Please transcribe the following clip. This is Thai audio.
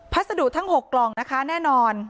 พัสดุทั้ง๖กล่องนะคะแน่นอน